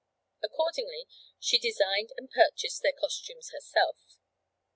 Accordingly, she designed and purchased their costumes herself.